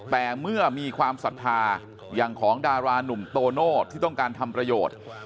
แต่เมื่อมีความศรัทธาอย่างของดารานุ่มโตโน่ที่ต้องการทำประโยชน์